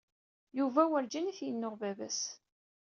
Yuba werǧin ay t-yennuɣ baba-s.